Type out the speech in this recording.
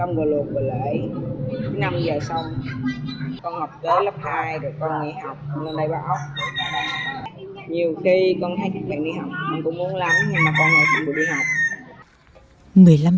nhiều khi con thấy các bạn đi học mình cũng muốn lắm nhưng mà con lại không được đi học